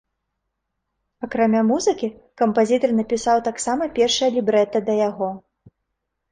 Акрамя музыкі, кампазітар напісаў таксама першае лібрэта да яго.